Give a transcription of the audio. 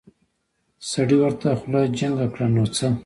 سړي ورته خوله جينګه کړه نو څه.